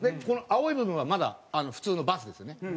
この青い部分はまだ普通のバスですよね。